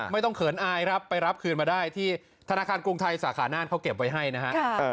เขินอายครับไปรับคืนมาได้ที่ธนาคารกรุงไทยสาขาน่านเขาเก็บไว้ให้นะฮะ